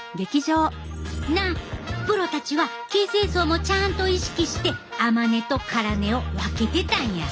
プロたちは形成層もちゃんと意識して甘根と辛根を分けてたんや。